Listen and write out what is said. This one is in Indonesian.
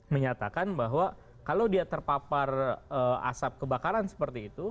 menyatakan bahwa kalau dia terpapar asap kebakaran seperti itu